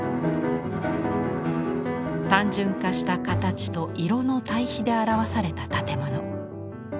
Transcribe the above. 単純化した形と色の対比で表された建物。